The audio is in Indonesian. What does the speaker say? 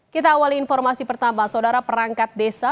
kita awali informasi pertama saudara perangkat desa